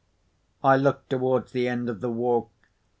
I looked towards the end of the walk.